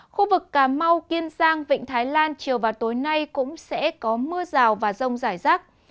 khu vực cà mau kiên giang vịnh thái lan chiều và tối nay cũng sẽ có mưa rào và rông rải rác